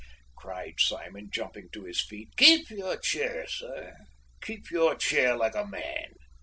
cried Simon, jumping to his feet. "Keep your chair, sir! keep your chair like a man!"